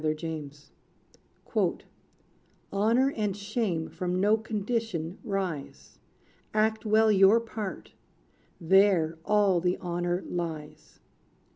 =The Shoemaker= "Honor and shame from no condition rise. Act well your part: there all the honor lies."